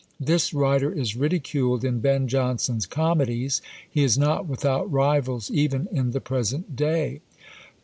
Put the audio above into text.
This writer is ridiculed in Ben Jonson's Comedies: he is not without rivals even in the present day!